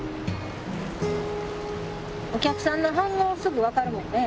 お客さんの反応すぐ分かるもんね。